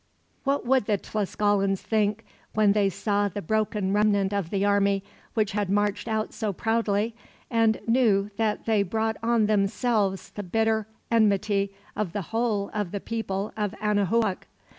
What would the Tlascalans think, when they saw the broken remnant of the army, which had marched out so proudly, and knew that they brought on themselves the bitter enmity of the whole of the people of Anahuac?